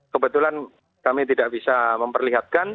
kebetulan kami tidak bisa memperlihatkan